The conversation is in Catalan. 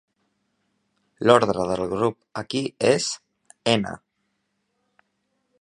L'ordre del grup aquí és "n"!